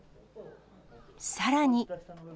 さらに。